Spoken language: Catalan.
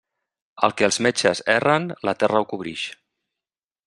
El que els metges erren, la terra ho cobrix.